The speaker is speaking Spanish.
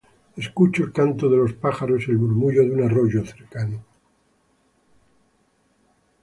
Escucho el canto de los pájaros y el murmullo de un arroyo cercano.